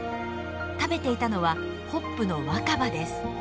食べていたのはホップの若葉です。